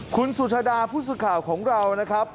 คุณสุชาดาผู้สื่อข่าวของเรานะครับ